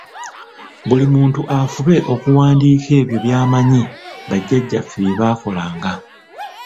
Buli muntu afube okuwandiika ebyo byamanyi bajajjaffe bye baakolanga.